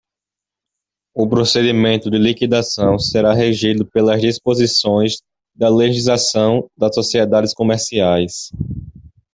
O procedimento de liquidação será regido pelas disposições da legislação das sociedades comerciais.